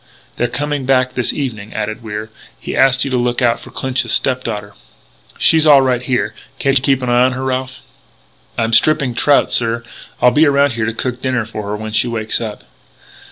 "They're coming back this evening," added Wier. "He asked you to look out for Clinch's step daughter." "She's all right here. Can't you keep an eye on her, Ralph?" "I'm stripping trout, sir. I'll be around here to cook dinner for her when she wakes up."